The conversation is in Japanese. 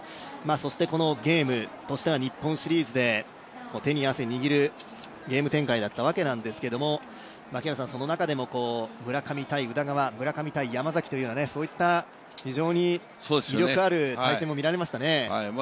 そしてこのゲームとしては日本シリーズで手に汗握るゲーム展開だったわけですけどもその中でも村上対宇田川、村上対山崎といった非常に魅力ある対戦も見られましたね。